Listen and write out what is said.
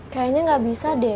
kayaknya gak bisa deh